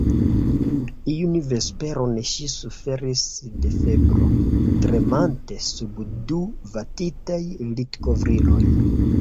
Iun vesperon ŝi suferis de febro, tremante sub du vatitaj litkovriloj.